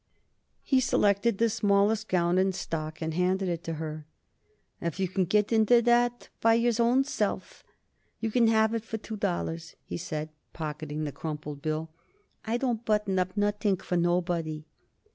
He selected the smallest gown in stock and handed it to her. "If you can get into that by your own self you can have it for two dollars," he said, pocketing the crumpled bill. "I don't button up nothing for nobody."